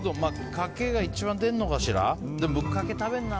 かけが一番出るのかしら。